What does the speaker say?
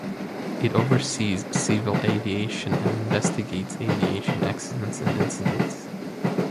It oversees civil aviation and investigates aviation accidents and incidents.